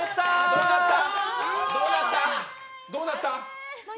どうだった？